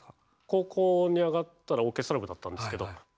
高校に上がったらオーケストラ部だったんですけどオーボエを。